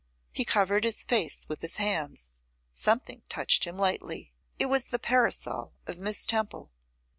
He covered his face with his hands; something touched him lightly; it was the parasol of Miss Temple.